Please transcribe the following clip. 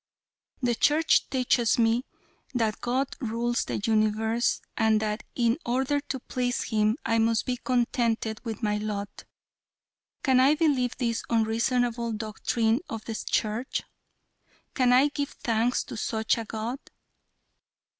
The Church teaches me that God rules the universe, and that in order to please Him I must be contented with my lot. Can I believe this unreasonable doctrine of the Church? Can I give thanks to such a god?"